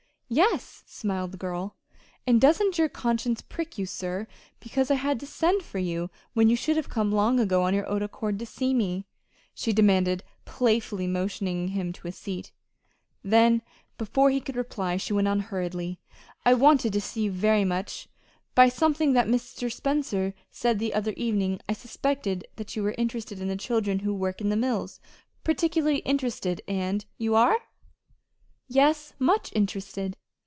"Yes," smiled the girl. "And doesn't your conscience prick you, sir, because I had to send for you, when you should have come long ago of your own accord to see me?" she demanded playfully, motioning him to a seat. Then, before he could reply, she went on hurriedly: "I wanted to see you very much. By something that Mr. Spencer said the other evening I suspected that you were interested in the children who work in the mills particularly interested. And you are?" "Yes, much interested."